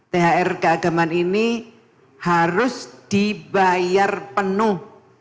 thr keagamaan ini harus dibayar penuh